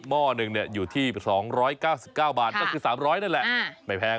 ห้อหนึ่งอยู่ที่๒๙๙บาทก็คือ๓๐๐นั่นแหละไม่แพง